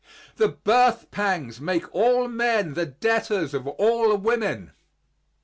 The birth pangs make all men the debtors of all women.